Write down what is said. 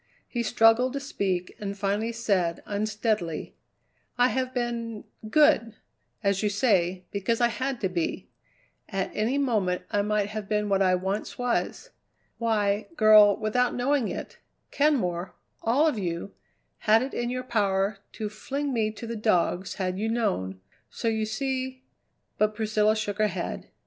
He struggled to speak, and finally said unsteadily: "I have been good, as you say, because I had to be. At any moment I might have been what I once was. Why, girl, without knowing it, Kenmore all of you had it in your power to fling me to the dogs had you known, so you see " But Priscilla shook her head.